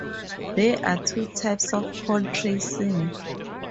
There are two types of call tracing.